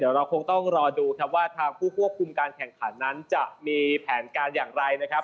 เดี๋ยวเราคงต้องรอดูครับว่าทางผู้ควบคุมการแข่งขันนั้นจะมีแผนการอย่างไรนะครับ